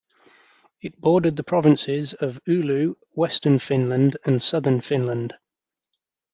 It bordered the provinces of Oulu, Western Finland and Southern Finland.